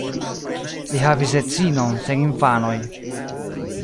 Li havis edzinon sen infanoj.